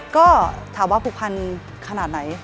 ก็ถามว่าผูกพันขนาดไหน